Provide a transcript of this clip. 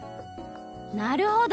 なるほど！